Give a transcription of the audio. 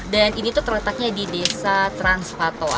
dan ini tuh terletaknya di desa transpatoa